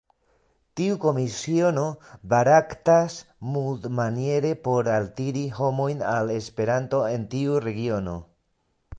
Tiu komisiono baraktas multmaniere por altiri homojn al Esperanto en tiu regiono.